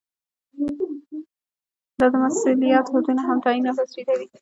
دا د مسؤلیتونو حدود هم تعین او تثبیتوي.